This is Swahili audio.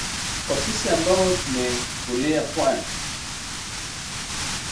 Kwa sisi ambao tumekulia pwani